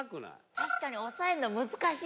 確かに抑えるの難しい。